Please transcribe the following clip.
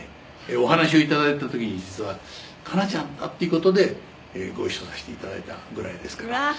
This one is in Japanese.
「お話を頂いた時に実はカナちゃんだっていう事でご一緒させて頂いたぐらいですから」